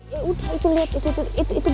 ya udah itu liat itu itu itu